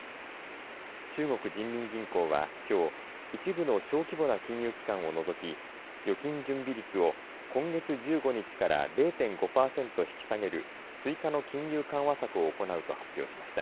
中国人民銀行はきょう一部の小規模な金融機関を除き預金準備率を今月１５日から０．５パーセント引き下げる追加の金融緩和策を行うと発表しました。